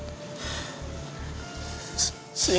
lanjutannya sama ian